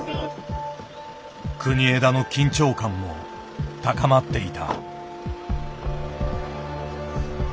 国枝の緊張感も高まっていた。